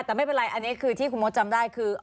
แต่ไม่เป็นไรอันนี้คือที่คุณมดจำได้คือ